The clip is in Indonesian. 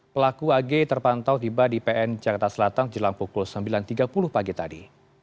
pelaku ag terpantau tiba di pn jakarta selatan jelang pukul sembilan tiga puluh pagi tadi